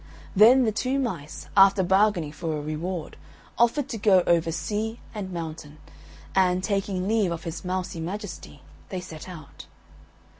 Then the two mice, after bargaining for a reward, offered to go over sea and mountain, and, taking leave of his mousy majesty, they set out.